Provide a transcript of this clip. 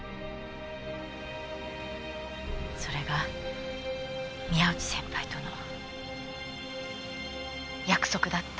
それが宮内先輩との約束だった。